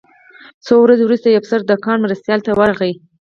څو ورځې وروسته یو افسر د کان مرستیال ته ورغی